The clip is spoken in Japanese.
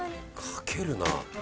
「かけるな」